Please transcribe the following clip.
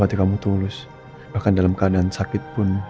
ketika kamu tulus bahkan dalam keadaan sakit pun